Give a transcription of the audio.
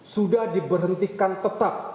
sudah diberhentikan tetap